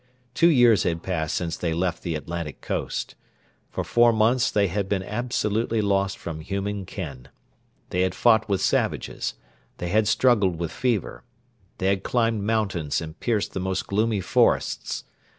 Two years had passed since they left the Atlantic coast. For four months they had been absolutely lost from human ken. They had fought with savages; they had struggled with fever; they had climbed mountains and pierced the most gloomy forests.